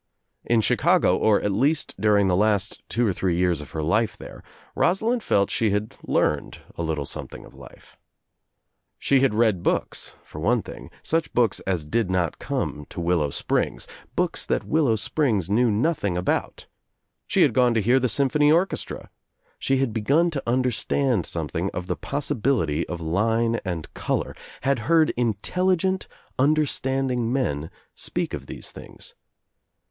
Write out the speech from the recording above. In Chicago, or at least during the last two or three years of her life there, Rosalind felt she had learned a little something of life. She had read books for one thing, such books as did not come to Willow Springs, books that WiUow Springs knew nothing about, she had gone to hear the Symphony Orchestra, she had begun to understand something of the possi bility of line and color, had heard intelligent, under . standing men speak of these things.